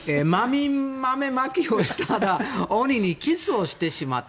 豆まきをしたら鬼にキスをしてしまった。